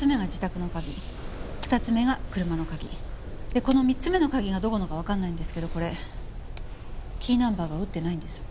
でこの３つ目の鍵がどこのかわかんないんですけどこれキーナンバーが打ってないんです。